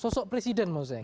sosok presiden maksudnya